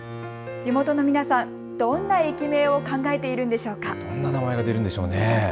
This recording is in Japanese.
地元の皆さん、どんな駅名を考えているんでしょうか。